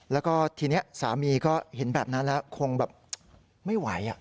แล้วก็ทีนี้สามีก็เห็นแบบนั้นแล้วคงแบบไม่ไหว